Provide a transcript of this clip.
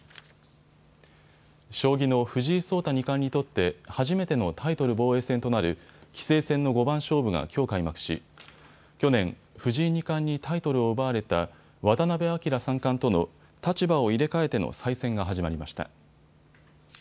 将棋の藤井聡太二冠にとって初めてのタイトル防衛戦となる棋聖戦の五番勝負がきょう開幕し、去年、藤井二冠にタイトルを奪われた渡辺明三冠との立場を入れ替えての再戦が始まりました。